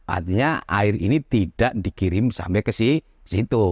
artinya air ini tidak dikirim sampai ke situ